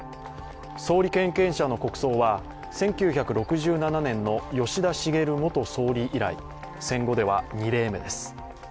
総理経験者の国葬は１９６７年の吉田茂元総理以来、戦後では２例目です。